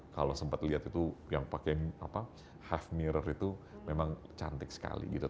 kalau sempat lihat itu yang pakai have mirror itu memang cantik sekali gitu